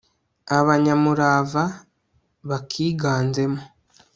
abanyamurava bakiganzemo